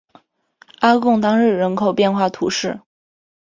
阿贡当日人口变化图示